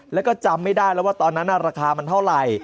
แล้วก็จำไม่ได้แล้วว่าตอนนั้นราคามันเท่าไหร่